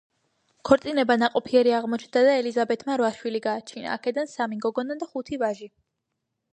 ქორწინება ნაყოფიერი აღმოჩნდა და ელიზაბეთმა რვა ბავშვი გააჩინა, აქედან სამი გოგონა და ხუთი ვაჟი.